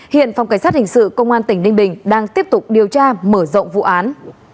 hiện phòng cảnh sát hình sự công an tỉnh ninh bình đang tiếp tục điều tra mở rộng vụ án